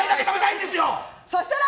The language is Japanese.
そしたら！